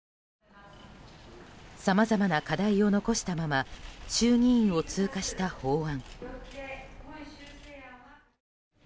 さまざまな課題を残したまま衆議院を通過した法案。